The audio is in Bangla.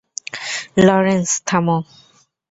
লরেন্স, থামো!